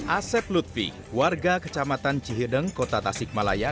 asep lutfi warga kecamatan cihideng kota tasikmalaya